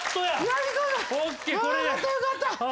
よかったよかった。